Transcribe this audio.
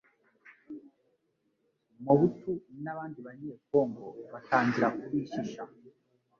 Mobutu n'abandi Banye-Congo batangira kubishisha